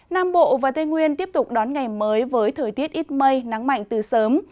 nam bộ và tây nguyên tiếp tục đón ngày mới với thời tiết ít mây nắng mạnh từ sớm